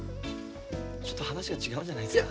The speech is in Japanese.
ちょっと話が違うんじゃないですか。